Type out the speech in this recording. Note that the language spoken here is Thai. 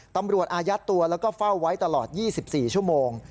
อายัดตัวแล้วก็เฝ้าไว้ตลอด๒๔ชั่วโมง